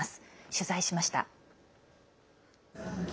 取材しました。